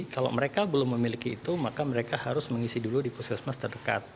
kalau mereka belum memiliki itu maka mereka harus mengisi dulu di puskesmas terdekat